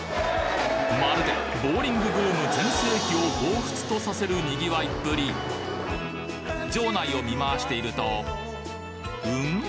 まるでボウリングブーム全盛期を彷彿とさせるにぎわいっぷり場内を見回しているとうん？